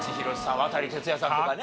渡哲也さんとかね。